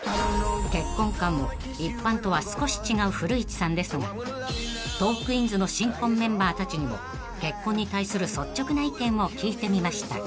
［結婚観も一般とは少し違う古市さんですがトークィーンズの新婚メンバーたちにも結婚に対する率直な意見を聞いてみました］